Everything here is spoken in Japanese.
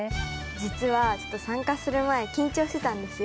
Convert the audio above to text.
実はちょっと参加する前緊張してたんですよ。